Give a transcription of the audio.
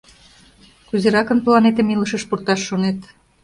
— Кузеракын планетым илышыш пурташ шонет?